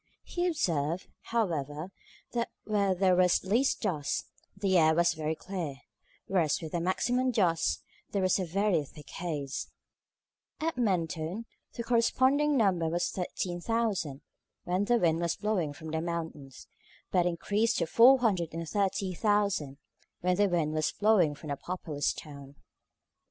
He observed, however, that where there was least dust, the air was very clear; whereas with the maximum of dust, there was a very thick haze. At Mentone, the corresponding number was 13,000, when the wind was blowing from the mountains; but increased to 430,000, when the wind was blowing from the populous town.